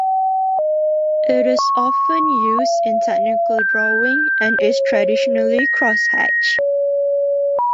It is often used in technical drawing and is traditionally crosshatched.